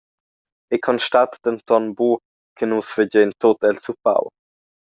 Ei constat denton buca che nus fagein tut el zuppau.